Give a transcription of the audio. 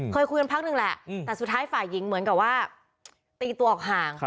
เคยคุยกันพักหนึ่งแหละแต่สุดท้ายฝ่ายหญิงเหมือนกับว่าตีตัวออกห่าง